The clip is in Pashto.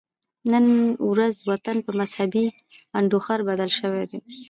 نن ورځ وطن په مذهبي انډوخر بدل شوی دی